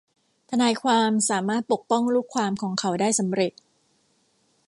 ทนายความสามารถปกป้องลูกความเขาได้สำเร็จ